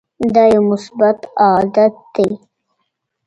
دا یو مثبت عادت دی.